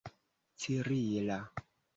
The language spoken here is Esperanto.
cirila